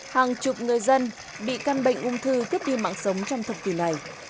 hàng chục người dân bị căn bệnh ung thư cướp đi mạng sống trong thập kỷ này